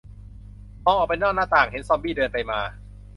มองออกไปนอกหน้าต่าง เห็นซอมบี้เดินไปมา